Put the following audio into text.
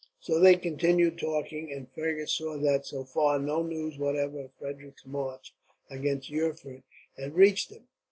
So they continued talking, and Fergus saw that, so far, no news whatever of Frederick's march against Erfurt had reached them.